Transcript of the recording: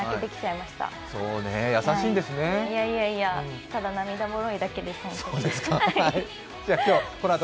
いやいやいや、ただ涙もろいだけです。